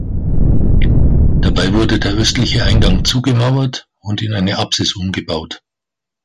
Dabei wurde der östliche Eingang zugemauert und in eine Apsis umgebaut.